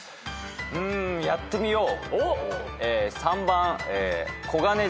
うんやってみよう。